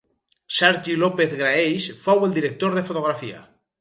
Sergi López Graells fou el director de fotografia.